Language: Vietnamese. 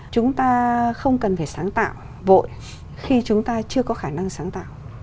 chúng ta không cần phải sáng tạo vội khi chúng ta chưa có khả năng sáng tạo